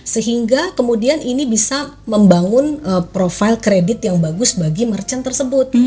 sehingga kemudian ini bisa membangun profile kredit yang bagus bagi merchant tersebut